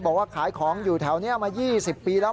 บอกว่าขายของอยู่แถวนี้มา๒๐ปีแล้ว